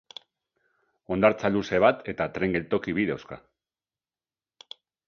Hondartza luze bat eta tren-geltoki bi dauzka.